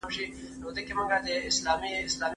ايا سياسي ګوندونه په خپلو ژمنو ولاړ دي؟